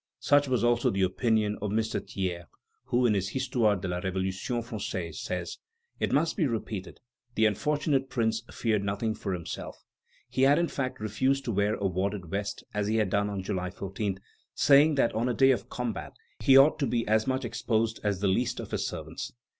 Such also was the opinion of M. Thiers, who, in his Histoire de la Révolution française, says: "It must be repeated, the unfortunate Prince feared nothing for himself. He had, in fact, refused to wear a wadded vest, as he had done on July 14, saying that on a day of combat he ought to be as much exposed as the least of his servants.